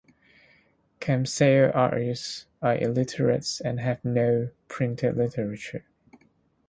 Kamsale artists are illiterates and have no printed literature.